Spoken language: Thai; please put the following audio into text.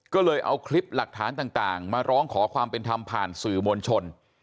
ก็เลยเอาคลิปหลักฐานต่างมาร้องขอความเป็นธรรมผ่านสื่อมวลชน